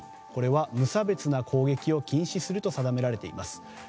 これは無差別な攻撃を禁止すると定められています。